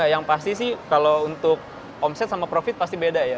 yang pasti sih kalau untuk omset sama profit pasti beda ya